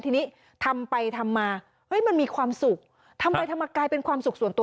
ทีนี้ทำไปทำมาเฮ้ยมันมีความสุขทำไปทำมากลายเป็นความสุขส่วนตัว